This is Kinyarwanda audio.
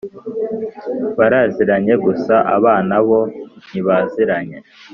baraziranye gusa abana bo ntibaziranye